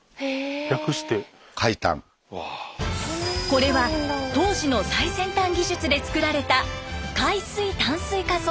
これは当時の最先端技術で作られた海水淡水化装置。